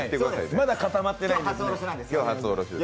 まだ固まってないので。